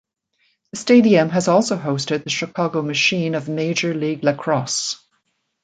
The stadium has also hosted the Chicago Machine of Major League Lacrosse.